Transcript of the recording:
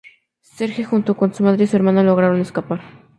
Serge, junto con su madre y su hermana lograron escapar.